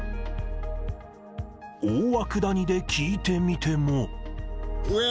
大涌谷で聞いてみても。